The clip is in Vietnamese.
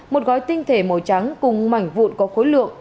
một gói tinh thể màu trắng cùng mảnh vụn có khối lượng